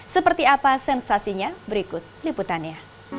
seperti apa sensasinya berikut liputannya